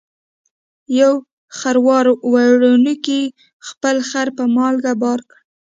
یو خروار وړونکي خپل خر په مالګې بار کړ.